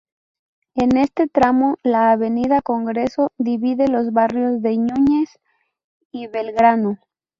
En este tramo la Avenida Congreso divide los barrios de Núñez y Belgrano.